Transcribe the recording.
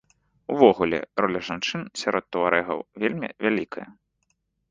Увогуле, роля жанчын сярод туарэгаў вельмі вялікая.